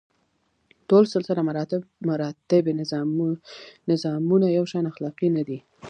ټول سلسله مراتبي نظامونه یو شان اخلاقي نه دي.